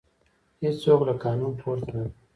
هیڅوک له قانون پورته نه دی